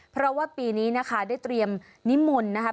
เพราะว่าปีนี้นะคะได้เตรียมนิมนต์นะครับ